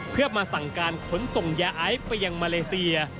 เพื่อมาสั่งการขนส่งยาไอซ์ไปยังมาเลเซีย